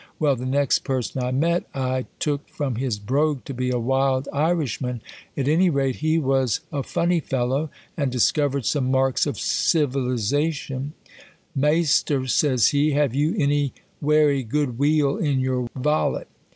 Well, the next person I met, I took, from his brogue, to be a wild Irishman." At any rate, he was a fun ny fellow, and discovered some marks of civilization, Maister, says he, have you any wery good weal in your vallet?